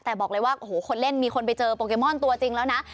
แต่บอกเลยว่าโอ้โหคนเล่นมีคนไปเจอโปเกมอนตัวจริงแล้วนะ